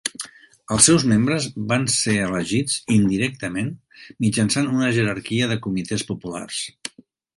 Els seus membres van ser elegits indirectament mitjançant una jerarquia de comitès populars.